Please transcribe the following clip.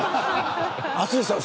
淳さん